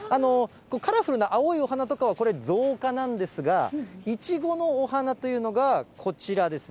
カラフルな青いお花とかは、これ、造花なんですが、イチゴのお花というのがこちらですね。